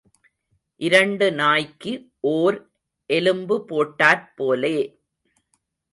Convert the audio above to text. இரண்டு நாய்க்கு ஓர் எலும்பு போட்டாற் போலே.